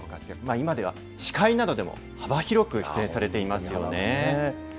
今では司会などでも幅広く出演されていますよね。